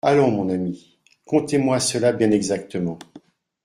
Allons, mon ami, contez-moi cela bien exactement.